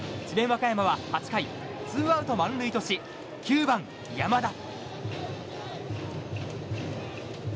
和歌山は８回ツーアウト満塁として９番山田。